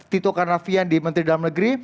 tito karnavian di menteri dalam negeri